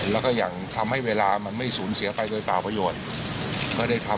และทำให้เวลามันไม่ศูนย์เสียไปโดยประโยชน์